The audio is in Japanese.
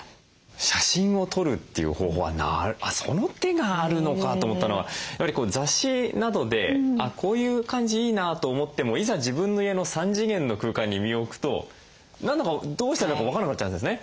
写真を撮るっていう方法はその手があるのかと思ったのはやはりこう雑誌などであっこういう感じいいなと思ってもいざ自分の家の３次元の空間に身を置くと何だかどうしたらいいのか分かんなくなっちゃうんですね。